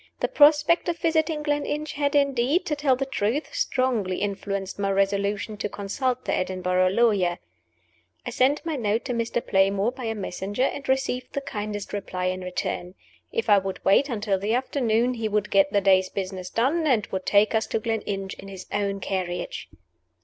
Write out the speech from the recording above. The prospect of visiting Gleninch had, indeed (to tell the truth), strongly influenced my resolution to consult the Edinburgh lawyer. I sent my note to Mr. Playmore by a messenger, and received the kindest reply in return. If I would wait until the afternoon, he would get the day's business done, and would take us to Gleninch in his own carriage.